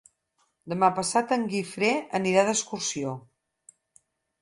Demà passat en Guifré anirà d'excursió.